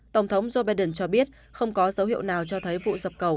tổng thống joe biden cho biết không có dấu hiệu nào cho thấy vụ sập cầu